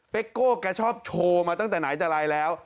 โก้แกชอบโชว์มาตั้งแต่ไหนแต่ไรแล้ว